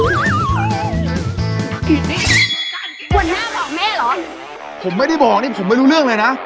หัวหน้าบอกแม่เหรอผมไม่ได้บอกนี่ผมไม่รู้เรื่องเลยนะ